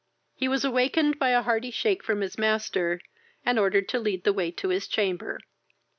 He was awakened by a hearty shake from his master, and ordered to lead the way to his chamber.